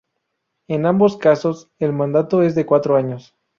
En ambos casos, el mandato es de cuatro años.